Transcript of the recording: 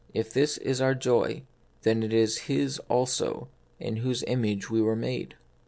If this is our joy, then it is His also in whose image we were made.